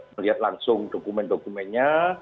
melihat langsung dokumen dokumennya